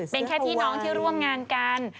เป็นแค่พี่น้องที่ร่วมงานกัน